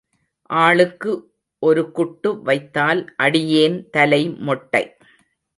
ஆளுக்கு ஒரு குட்டு வைத்தால் அடியேன் தலை மொட்டை.